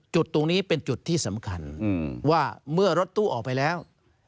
จุดตรงนี้เป็นจุดที่สำคัญว่าเมื่อรถตู้ออกไปแล้ว